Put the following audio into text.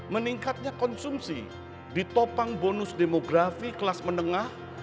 meningkatnya konsumsi ditopang bonus demografi kelas menengah